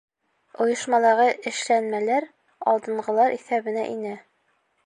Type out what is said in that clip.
Ойошмалағы эшләнмәләр алдынғылар иҫәбенә инә.